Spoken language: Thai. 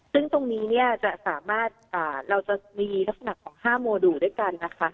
ซึ่งตรงนี้สามารถเราจะมีลักษณะของ๕โมดูลด้วยกัน